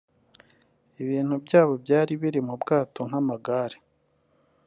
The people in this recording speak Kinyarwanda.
ibintu byabo byari biri mu bwato nk’amagare